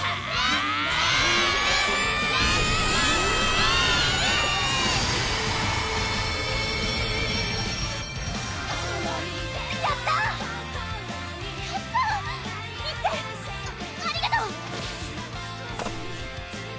あありがとう！